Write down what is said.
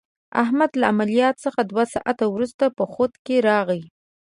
احمد له عملیات څخه دوه ساعته ورسته په خود کې راغی.